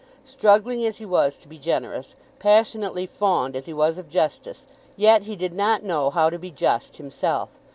Struggling as he was to be generous, passionately fond as he was of justice, yet he did not know how to be just himself.